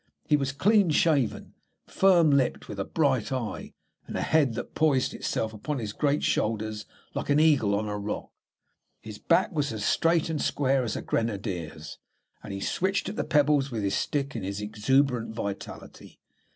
He was clean shaven and firm lipped, with a bright eye and a head that poised itself upon his great shoulders like an eagle on a rock. His back was as straight and square as a grenadier's, and he switched at the pebbles with his stick in his exuberant vitality.